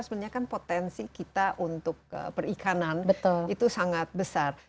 sebenarnya kan potensi kita untuk perikanan itu sangat besar